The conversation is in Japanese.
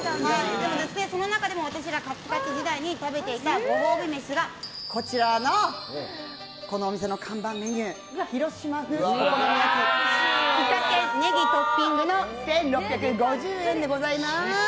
その中でも私がカツカツ時代に食べていたご褒美飯がこのお店の看板メニュー広島風お好み焼きイカ天ネギトッピングの１６５０円でございます。